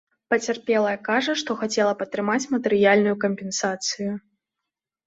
Пацярпелая кажа, што хацела б атрымаць матэрыяльную кампенсацыю.